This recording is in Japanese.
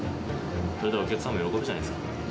お客さんも喜ぶじゃないですか。